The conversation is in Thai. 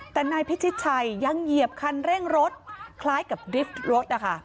แต่นายพิชิตชัยยังเหยียบคันเร่งรถคล้ายกับดริฟท์รถนะคะ